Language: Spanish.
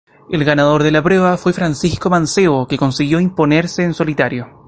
El ganador de la prueba fue Francisco Mancebo, que consiguió imponerse en solitario.